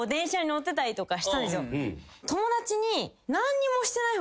友達に。